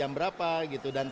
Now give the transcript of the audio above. dan selanjutnya kita bisa lihat